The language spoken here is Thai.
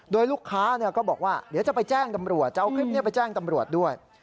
โดยลูกค้าก็บอกว่าเดี๋ยวจะไปแจ้งตำรวจจะเอาคลิปนี้ไปแจ้งตำรวจด้วย